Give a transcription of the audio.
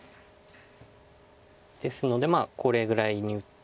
ですのでこれぐらいに打って。